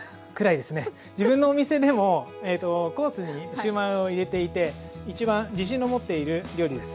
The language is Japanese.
自分のお店でもコースにシューマイを入れていて一番自信の持っている料理です。